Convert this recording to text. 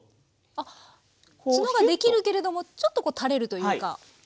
あっツノができるけれどもちょっと垂れるというか。